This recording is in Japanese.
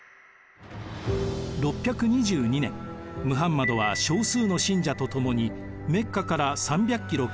６２２年ムハンマドは少数の信者とともにメッカから３００キロ